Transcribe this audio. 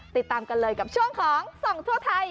ติดตามกันเลยกับช่วงของส่องทั่วไทย